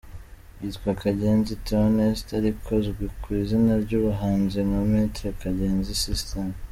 Yitwa Kanyenzi Theoneste ariko azwi ku izina ry’ubuhanzi nka Maitre Kanyenzi System.